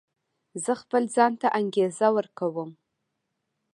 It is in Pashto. زه خپل ځان ته انګېزه ورکوم.